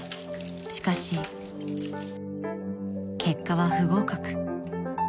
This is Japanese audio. ［しかし］［結果は不合格］